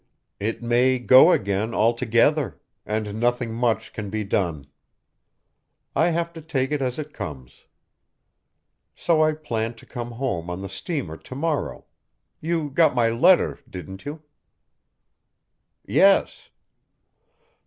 It may go again altogether. And nothing much can be done. I have to take it as it comes. So I planned to come home on the steamer to morrow. You got my letter, didn't you?" "Yes."